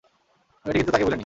মেয়েটি কিন্তু তাকে ভুলেনি।